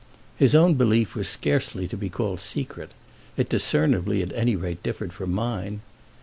His own belief was scarcely to be called secret; it discernibly at any rate differed from mine.